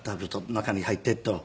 中に入って」と。